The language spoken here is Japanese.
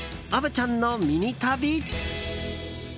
虻ちゃんのミニ旅。